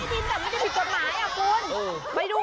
ใต้ดินไม่ได้ผิดกฎหมายอ่ะคุณ